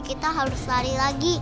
kita harus lari lagi